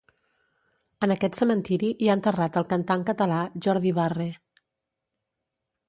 En aquest cementiri hi ha enterrat el cantant català Jordi Barre.